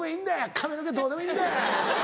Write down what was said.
髪の毛どうでもいいんだよ。